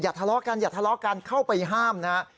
ทะเลาะกันอย่าทะเลาะกันเข้าไปห้ามนะฮะ